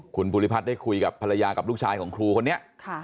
คุณภูริพัฒน์ได้คุยกับภรรยากับลูกชายของครูคนนี้